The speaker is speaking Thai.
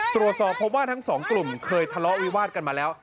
ตรวจสอบพบว่าทั้งสองกลุ่มเคยทะเลาะวิวาดกันมาแล้ว